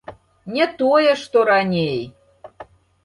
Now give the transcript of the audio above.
Не тое, што раней!